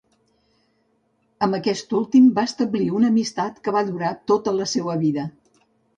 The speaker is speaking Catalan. Amb aquest últim va establir una amistat que va durar tota la seua vida.